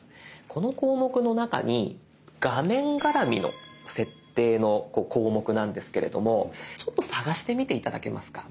この項目の中に画面がらみの設定の項目なんですけれどもちょっと探してみて頂けますか。